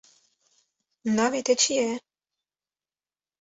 Navê te çi ye?